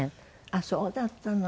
あっそうだったの。